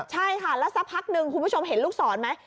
ใช่ค่ะแล้วสักพักหนึ่งคุณผู้ชมเห็นลูกศรไหม